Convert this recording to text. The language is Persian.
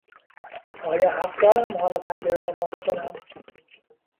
آیا حق دارم حالا پنجره را بازکنم؟